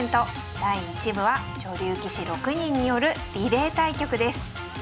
第１部は女流棋士６人によるリレー対局です。